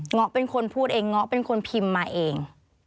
ง้อเป็นคนพูดเองเงาะเป็นคนพิมพ์มาเอง